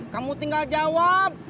kamu tinggal jawab